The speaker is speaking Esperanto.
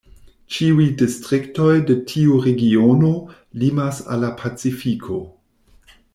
Ĉiuj distriktoj de tiu regiono limas al la pacifiko.